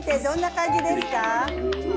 どんな感じですか？